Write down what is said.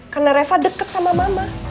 karena reva deket sama mama